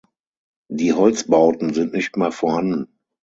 Die Holzbauten sind nicht mehr vorhanden.